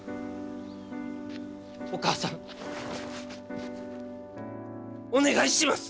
お母さんお願いします！